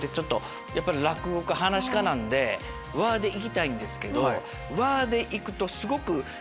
やっぱり落語家は噺家なんで和でいきたいんですけど。